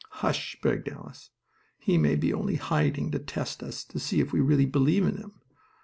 "Hush!" begged Alice. "He may be only hiding to test us, to see if we really believe in him.